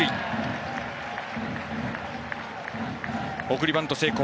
送りバント成功。